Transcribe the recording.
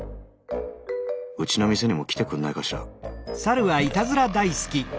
うちの店にも来てくんないかしら。